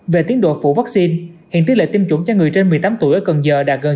về tiến độ phủ vaccine hiện tiết lệ tiêm chủng cho người trên một mươi tám tuổi ở cần giờ đạt gần chín mươi bốn